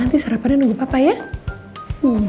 bener tuh bagus buat kamu